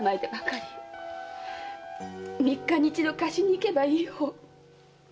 三日に一度河岸に行けばいいほう。